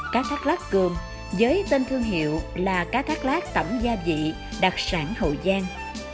cá thác lát cường với tên thương hiệu là cá thác lát tẩm gia dị đặc sản hậu giang